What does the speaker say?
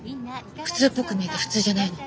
普通っぽく見えて普通じゃないの。